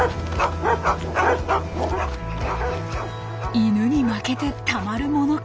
「イヌに負けてたまるものか！」。